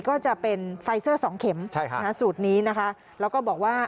ก็จะเป็นไฟเซอร์สองเข็มสูตรนี้นะคะแล้วก็บอกว่า